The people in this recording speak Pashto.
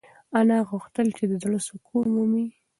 انا غوښتل چې د زړه سکون ومومي.